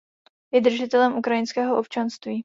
Je držitelem ukrajinského občanství.